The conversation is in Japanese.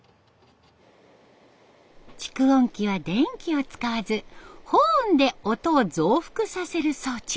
蓄音機は電気を使わずホーンで音を増幅させる装置。